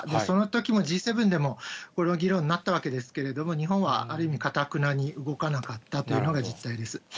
そのときもＧ７でもこの議論になったわけですけれども、日本はある意味かたくなに動かなかったというのが実態です。